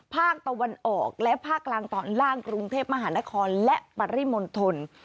ภาคตะวันออกและภาคกลางตอนล่างกรุงเทพมหานครและปริมณฑล